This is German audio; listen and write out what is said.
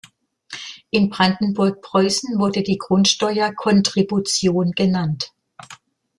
In Brandenburg-Preußen wurde die Grundsteuer "Kontribution" genannt.